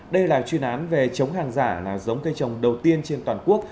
đây là chuyên án về chống hàng giả là giống cây trồng đầu tiên trên toàn quốc